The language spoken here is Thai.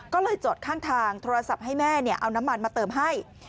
ก็เลยจอดข้างทางโทรศัพท์ให้แม่เอาน้ำมันมาเติมให้